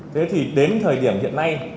thế thì đến thời điểm hiện nay